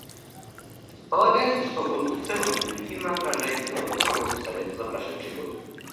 Полагаем, что он в целом объективно отражает динамику работы Совета за прошедший год.